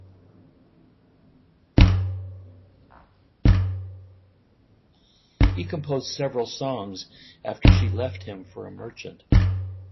He composed several songs after she left him for a merchant.